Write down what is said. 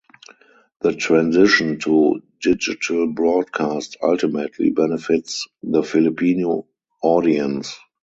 The transition to digital broadcast ultimately benefits the Filipino audience.